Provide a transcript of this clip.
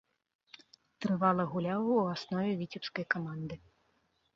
Трывала гуляў у аснове віцебскай каманды.